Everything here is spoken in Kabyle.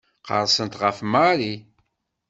Qerrsent ɣef Mary.